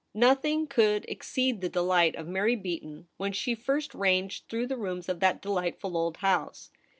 Nothing could exceed the dehght of Mary Beaton when she first ranged through the rooms of that deh'ghtful old house.